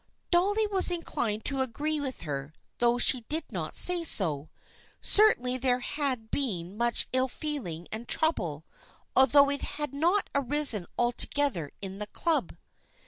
Dolly was inclined to agree with her, though she did not say so. Certainly there had been much ill feeling and trouble, although it had not arisen altogether in the Club.